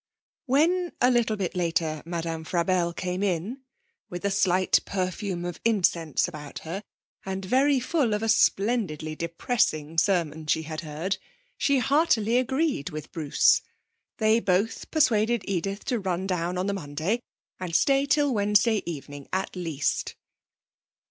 When, a little bit later, Madame Frabelle came in (with a slight perfume of incense about her, and very full of a splendidly depressing sermon she had heard), she heartily agreed with Bruce. They both persuaded Edith to run down on the Monday and stay till Wednesday evening at least.